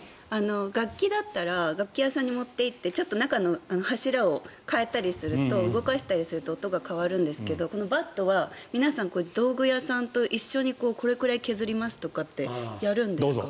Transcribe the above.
楽器だったら楽器屋さんに持っていってちょっと中の柱を変えたりすると動かしたりすると音が変わるんですけどバットは皆さん道具屋さんと一緒にこれくらい削りますとかってやるんですか？